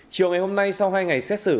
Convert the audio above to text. chiều ngày hôm nay sau hai ngày xét xử